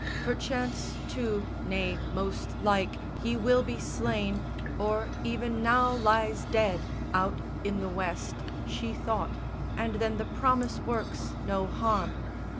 Perchance too, nay, most like, he will be slain Or even now lies dead, out in the West, She thought, and then the promise works no harm.